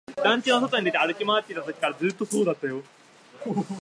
団地の外に出て、歩き回っていたときからずっとそうだった